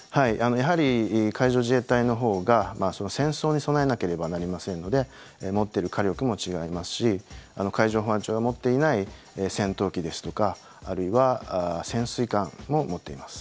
やはり海上自衛隊のほうが戦争に備えなければなりませんので持っている火力も違いますし海上保安庁が持っていない戦闘機ですとかあるいは潜水艦も持っています。